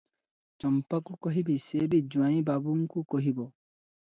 ଚମ୍ପାକୁ କହିବି, ସେ ବି ଜୁଆଇଁ ବାବୁଙ୍କୁ କହିବ ।